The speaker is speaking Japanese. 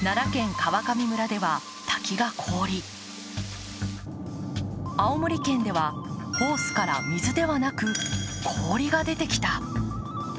川上村では、滝が凍り、青森県では、ホースから水ではなく氷が出てきた。